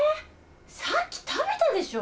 さっき食べたでしょ！